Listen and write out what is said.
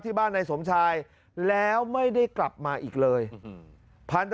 ที่บ้านนายสมชายแล้วไม่ได้กลับมาอีกเลยอืมพันธ